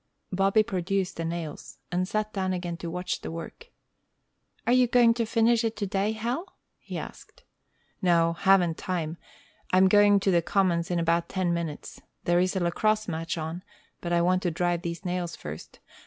Bobby produced the nails, and sat down again to watch the work. "Are you going to finish it today, Hal?" he asked. "No; haven't time. I am going to the commons in about ten minutes. There is a lacrosse match on; but I want to drive these nails first.